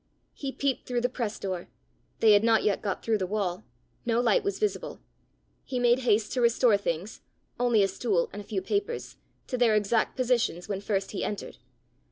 He peeped through the press door: they had not yet got through the wall: no light was visible! He made haste to restore things only a stool and a few papers to their exact positions when first he entered.